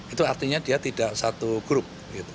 itu artinya dia tidak satu grup